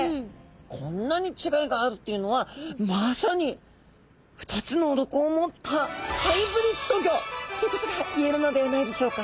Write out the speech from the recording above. こんなに違いがあるというのはまさに２つの鱗を持ったハイブリッド魚ということがいえるのではないでしょうか。